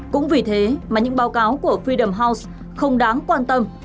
cũng vì thế mà những báo cáo của fiderm house không đáng quan tâm